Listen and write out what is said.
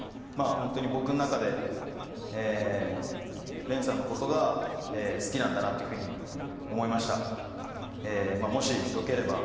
ホントに僕の中でええＲＥＮさんのことが好きなんだなっていうふうに思いました